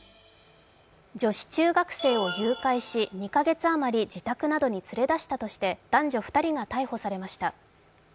女子中学生を誘拐し、２か月あまり自宅などに連れ出したとして男女２人が逮捕されました。